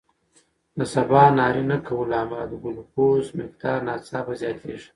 د سباناري نه کولو له امله د ګلوکوز مقدار ناڅاپه زیاتېږي.